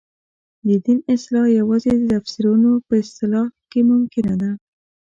د دین اصلاح یوازې د تفسیرونو په اصلاح کې ممکنه ده.